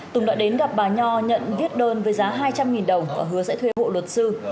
tùng đã đến gặp bà nho nhận viết đơn với giá hai trăm linh đồng và hứa sẽ thuê hộ luật sư